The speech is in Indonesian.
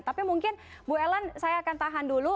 tapi mungkin bu ellen saya akan tahan dulu